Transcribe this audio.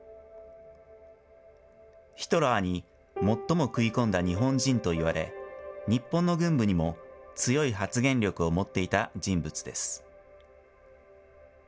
ヒトラーに最も食い込んだ日本人と言われ、日本の軍部にも強い発言力を持っていた人物です。